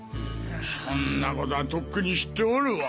そんなことはとっくに知っておるわ。